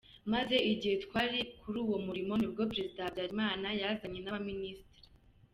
Maze igihe twali kuli uwo mulimo nibwo Prezida Habyarimana yazanye n’aba ministre”.